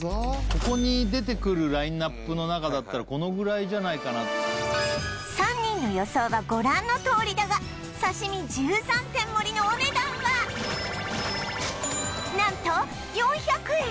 ここに出てくるラインナップの中だったらこのぐらいじゃないかな３人の予想はご覧のとおりだが刺身１３点盛りのお値段は何と４００円